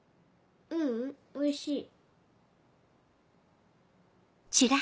ううんおいしい。